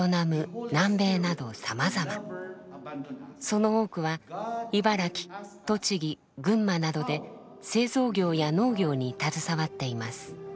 その多くは茨城栃木群馬などで製造業や農業に携わっています。